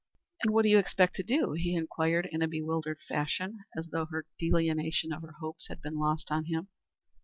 "And what do you expect to do?" he inquired in a bewildered fashion, as though her delineation of her hopes had been lost on him.